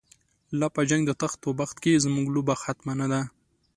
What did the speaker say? لاپه جنګ دتخت اوبخت کی، زموږ لوبه ختمه نه ده